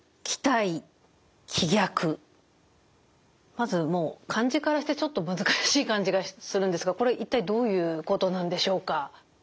まず漢字からしてちょっと難しい感じがするんですがこれ一体どういうことなんでしょうか。